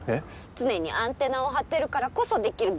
常にアンテナを張ってるからこそできる芸当ですね